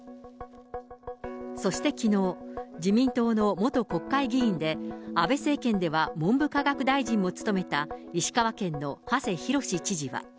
そしてきのう、自民党の元国会議員で、安倍政権では文部科学大臣を務めた、石川県の馳浩知事は。